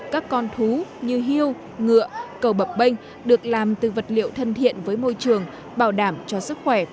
các con thú như hiêu ngựa cầu bập bênh được làm từ vật liệu thân thiện với môi trường bảo đảm cho sức khỏe